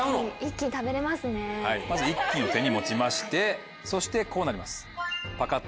まず１斤を手に持ちましてそしてこうなります。